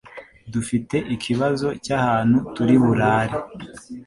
dufite ikibazo cyahantu turiburare